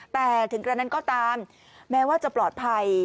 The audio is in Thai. แต่ถึงกระนั้นก็ตามแม้ว่าจะปลอดภัย